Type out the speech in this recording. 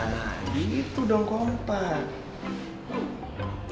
nah gitu dong kompat